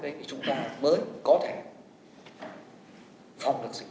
vậy thì chúng ta mới có thể phòng được dịch bệnh